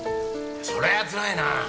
そりゃつらいなぁ！